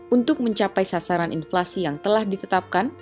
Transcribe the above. untuk mencapai sasaran inflasi yang telah ditetapkan